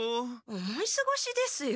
思いすごしですよ。